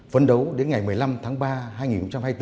phấn đấu đến ngày một mươi năm tháng ba hai nghìn hai mươi bốn